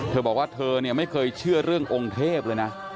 เธอบอกว่าเธอเนี่ยไม่เคยเชื่อเรื่ององค์เทพเลยนะ